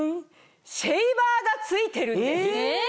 シェーバーが付いてるんです。